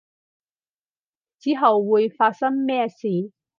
之後會發生咩事